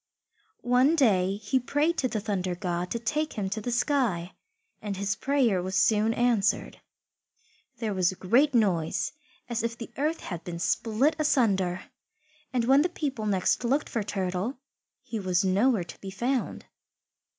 One day he prayed to the Thunder God to take him to the sky, and his prayer was soon answered. There was a great noise, as if the earth had been split asunder, and when the people next looked for Turtle he was nowhere to be found.